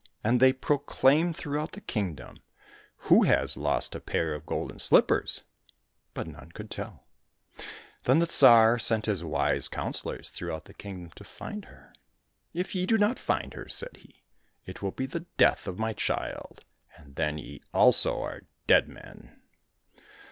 And they proclaimed throughout the kingdom, " Who has lost a pair of golden slippers ?" But none could tell. Then the Tsar sent his wise councillors through out the kingdom to find her. " If ye do not find her," said he, "it will be the death of my child, and then ye also are dead men."